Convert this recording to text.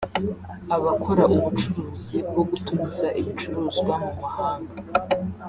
Abakora ubucuruzi bwo gutumiza ibicuruzwa mu mahanga